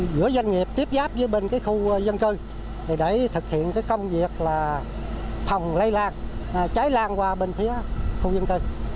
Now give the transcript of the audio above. giữa doanh nghiệp tiếp giáp với bên khu dân cư để thực hiện công việc phòng lây lạc cháy lạc qua bên phía khu dân cư